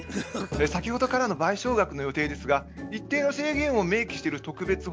先ほどからの賠償額の予定ですが一定の制限を明記してる特別法もあります。